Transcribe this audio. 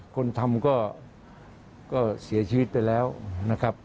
คนทำก็เสียชีวิตไปแล้วนะครับ